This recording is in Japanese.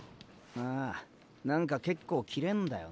ああ何か結構キレんだよな